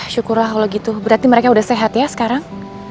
syukurlah kalau gitu berarti mereka sudah sehat ya sekarang